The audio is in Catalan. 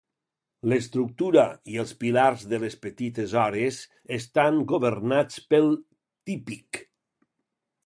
L'estructura i els pilars de les Petites Hores estan governats pel Típic.